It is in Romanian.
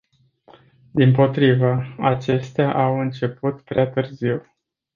Dimpotrivă, acestea au început prea târziu.